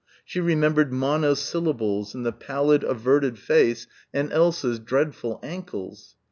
She remembered monosyllables and the pallid averted face and Elsa's dreadful ankles.